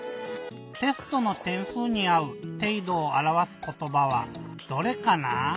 テストのてんすうにあう「ていどをあらわすことば」はどれかな？